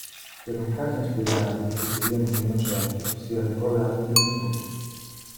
Per un caso inspiegabile e tuttavia non meno certo, si era ricordato del nipote.